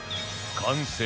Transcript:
完成！